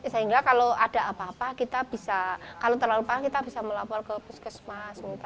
sehingga kalau ada apa apa kalau terlalu parah kita bisa melapor ke puskesmas